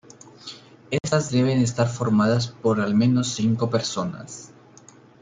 Estas deben estar formadas por al menos cinco personas.